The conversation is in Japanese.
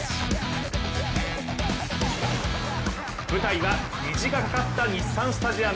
舞台は虹がかかった日産スタジアム。